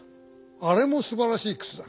あれもすばらしいくつだ。